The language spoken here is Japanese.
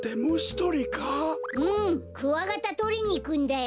うんクワガタとりにいくんだよ。